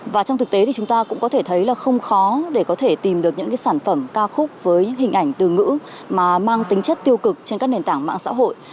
và trong thực tế thì chúng ta cũng có thể thấy là không khó để có thể tìm được những sản phẩm ca khúc với những hình ảnh từ ngữ mà mang tính chất tiêu cực trên các nền tảng mạng xã hội